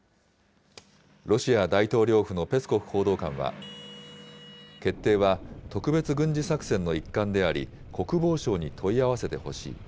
ロシア大統領府のペスコフ報道官は、決定は特別軍事作戦の一環であり、国防省に問い合わせてほしい。